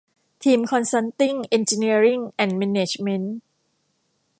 ทีม คอนซัลติ้ง เอนจิเนียริ่ง แอนด์ แมเนจเมนท์